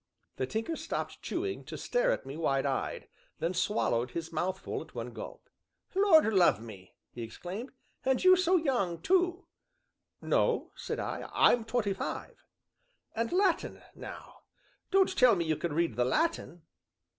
The Tinker stopped chewing to stare at me wide eyed, then swallowed his mouthful at one gulp. "Lord love me!" he exclaimed, "and you so young, too!" "No," said I; "I'm twenty five." "And Latin, now don't tell me you can read the Latin."